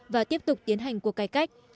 và tiếp tục tiến hành cuộc cải cách